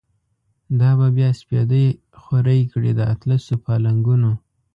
دا به بیا سپیدی خوری کړی، داطلسو پالنګونو